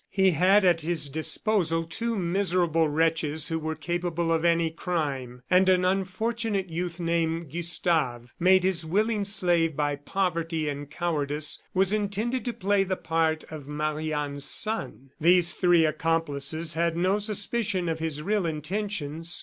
He had at his disposal two miserable wretches who were capable of any crime; and an unfortunate youth named Gustave, made his willing slave by poverty and cowardice, was intended to play the part of Marie Anne's son. These three accomplices had no suspicion of his real intentions.